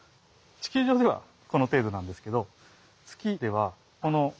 地球上ではこの程度なんですけどへえ。